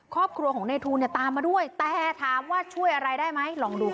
ครอบครัวของในทูลเนี่ยตามมาด้วยแต่ถามว่าช่วยอะไรได้ไหมลองดูค่ะ